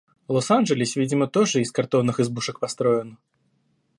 Лос-Анджелес видимо тоже из картонных избушек построен